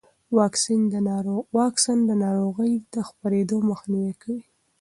واکسن د ناروغۍ د خپرېدو مخنیوی کوي.